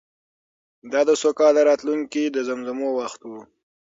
دا د سوکاله راتلونکې د زمزمو وخت و.